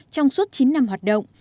trong suốt chín năm hoạt động